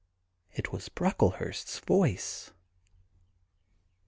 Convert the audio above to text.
It was Brocklehurst's voice.